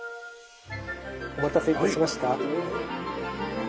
お待たせいたしました。